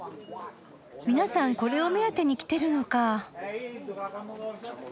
皆さんこれを目当てに来てるのか。